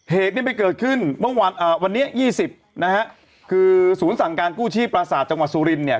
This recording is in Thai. เหตุนี้ไปเกิดขึ้นเมื่อวันวันนี้ยี่สิบนะฮะคือศูนย์สั่งการกู้ชีพปราศาสตร์จังหวัดสุรินเนี่ย